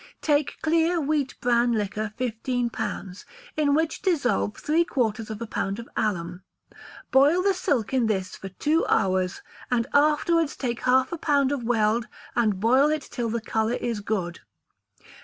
Take clear wheat bran liquor fifteen pounds, in which dissolve three quarters of a pound of alum; boil the silk in this for two hours, and afterwards take half a pound of weld, and boil it till the colour is good.